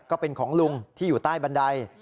ก็เป็นของลุงที่อยู่ใต้บันได